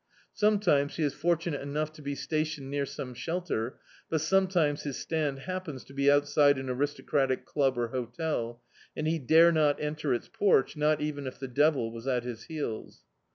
Scnnctimes he is fortunate enou^ to be stationed near some shelter, but sometimes his stand happens to be outside an aristocratic club or hotel, and he dare not enter its pordi, not even if the devil was at his heels.